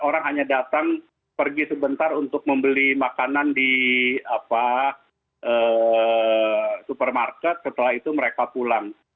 orang hanya datang pergi sebentar untuk membeli makanan di supermarket setelah itu mereka pulang